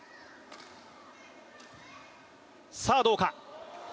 さあ、どうか。